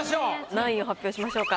何位を発表しましょうか？